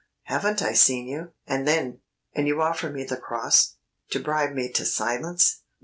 "Haven't I seen you ... and then ... and you offer me the cross ... to bribe me to silence